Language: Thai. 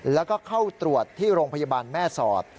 แล้วก็เข้าตรวจที่โรงพยาบาลแม่สอด